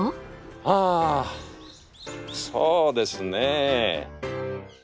あそうですね。